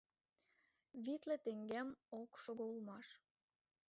Витле теҥгем ок шого улмаш.